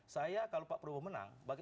saya kalau pak prabowo menang bagi